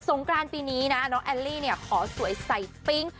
งกรานปีนี้นะน้องแอลลี่เนี่ยขอสวยใส่ปิ๊ง